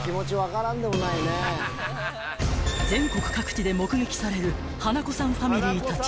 ［全国各地で目撃される花子さんファミリーたち］